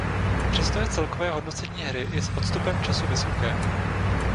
Přesto je celkové hodnocení hry i s odstupem času vysoké.